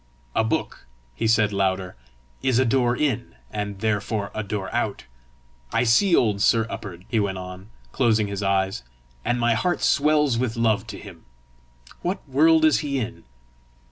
"A book," he said louder, "is a door in, and therefore a door out. I see old Sir Up'ard," he went on, closing his eyes, "and my heart swells with love to him: what world is he in?"